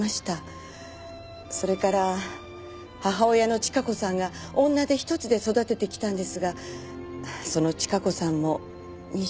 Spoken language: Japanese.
それから母親の千加子さんが女手ひとつで育ててきたんですがその千加子さんも２０年前に。